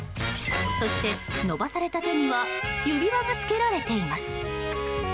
そして伸ばされた手には指輪がつけられています。